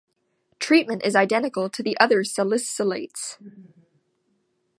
Treatment is identical to the other salicylates.